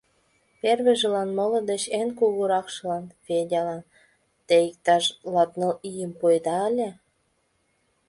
Первыйжылан, моло деч эн кугуракшылан, Федялан, те иктаж латныл ийым пуэда ыле.